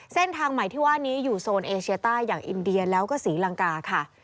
เส้นทางใหม่ที่ว่านี้อยู่โซนเอเชียใต้อย่างอินเดียแล้วก็ศรีลังกาค่ะ